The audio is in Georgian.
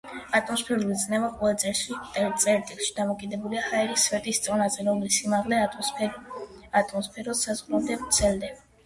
ატმოსფერული წნევა ყოველ წერტილში დამოკიდებულია ჰაერის სვეტის წონაზე, რომლის სიმაღლე ატმოსფეროს საზღვრამდე ვრცელდება.